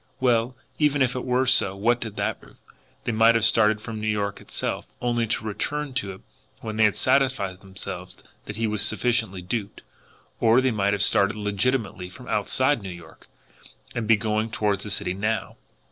Well, even if it were so, what did that prove! They might have started FROM New York itself only to return to it when they had satisfied themselves that he was sufficiently duped. Or they might have started legitimately from outside New York, and be going toward the city now.